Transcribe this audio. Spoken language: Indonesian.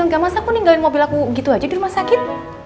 gak masa aku ninggalin mobil aku gitu aja di rumah sakit